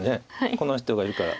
この人がいるから。